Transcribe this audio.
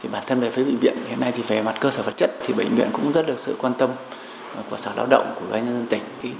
bản thân về phía bệnh viện về mặt cơ sở vật chất bệnh viện cũng rất được sự quan tâm của sở lao động của bệnh nhân dân tịch